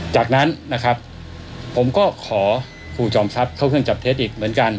จากนั้นนะครับผมก็ขอครูจอมทรัพย์เข้าเครื่องจับเท็จอีกเหมือนกัน